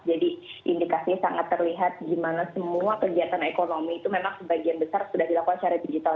jadi indikasi sangat terlihat gimana semua kegiatan ekonomi itu memang sebagian besar sudah dilakukan secara digital